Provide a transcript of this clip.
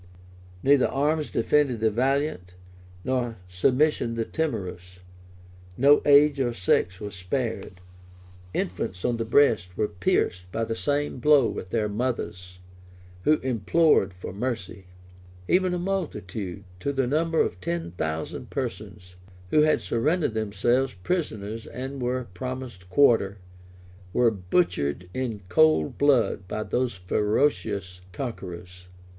Neither arms defended the valiant, nor submission the timorous; no age or sex was spared; infants on the breast were pierced by the same blow with their mothers, who implored for mercy; even a multitude, to the number of ten thousand persons, who had surrendered themselves prisoners and were promised quarter, were butchered in cold blood by those ferocious conquerors.